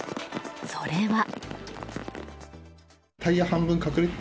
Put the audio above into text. それは。